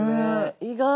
意外。